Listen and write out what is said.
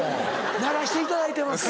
ならしていただいてます。